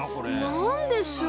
なんでしょう？